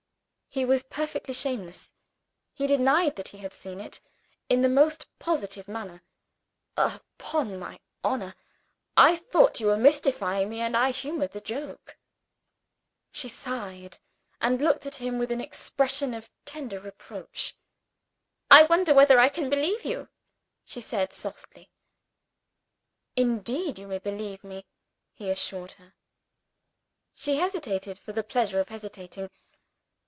He was perfectly shameless; he denied that he had seen it, in the most positive manner. "Upon my honor, I thought you were mystifying me, and I humored the joke." She sighed, and looking at him with an expression of tender reproach. "I wonder whether I can believe you," she said softly. "Indeed you may believe me!" he assured her. She hesitated for the pleasure of hesitating.